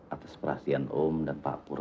atas perhatian om dan pak purwo